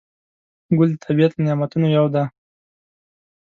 ګل د طبیعت له نعمتونو یو دی.